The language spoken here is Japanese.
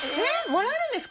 もらえるんですか？